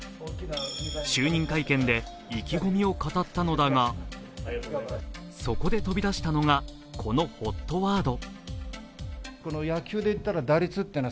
就任会見で意気込みを語ったのだが、そこで飛び出したのが、このＨＯＴワード。